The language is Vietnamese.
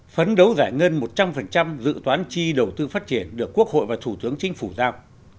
phấn đấu giải ngân một trăm linh dự toán chi đầu tư phát triển được quốc hội và thủ tướng chính phủ giao